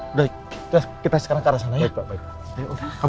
udah kita sekarang ke arah sana ya